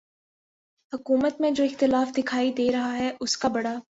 حکومت میں جو اختلاف دکھائی دے رہا ہے اس کا بڑا